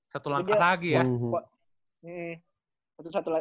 satu langkah lagi ya